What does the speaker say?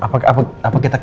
apa kita cancel aja ya mak